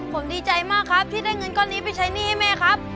ผมดีใจมากครับที่ได้เงินก้อนนี้ไปใช้หนี้ให้แม่ครับ